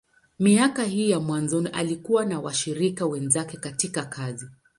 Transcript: Miaka hii ya mwanzoni, alikuwa na washirika wenzake katika kazi.